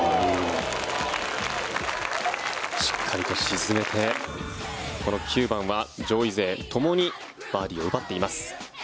しっかりと沈めて、この９番は上位勢、ともにバーディーを奪っています。